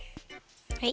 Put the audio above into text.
はい。